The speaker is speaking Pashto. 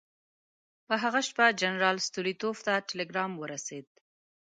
په هغه شپه جنرال ستولیتوف ته ټلګرام ورسېد.